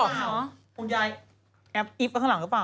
คุณยายแอปอิ๊บเอาข้างหลังก็เปล่า